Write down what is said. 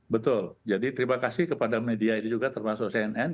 betul jadi terima kasih kepada media ini juga termasuk cnn